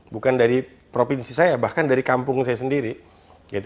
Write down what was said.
bukan dari provinsi saya bahkan dari kampung saya sendiri